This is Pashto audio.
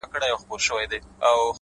زما زړه په محبت باندي پوهېږي،